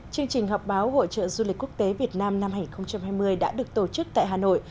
chương trình họp báo hội trợ du lịch quốc tế việt nam năm hai nghìn hai mươi đã được tổ chức tại hà nội